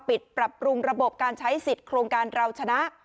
ปรับปรุงระบบการใช้สิทธิ์โครงการเราชนะ